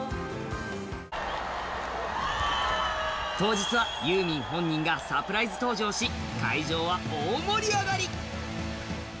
当日はユーミン本人がサプライズ登場し会場は大盛り上がり！